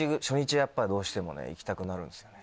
やっぱりどうしてもね行きたくなるんですよね。